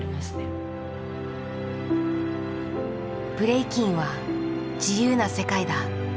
ブレイキンは自由な世界だ。